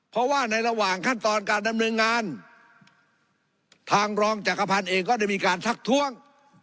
เพราะว่าในระหว่างขั้นตอนการดำเนินงานทางรองจักรพันธ์เองก็ได้มีการทักท้วง